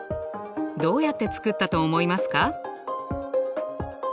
どうやって作ったと思いますか？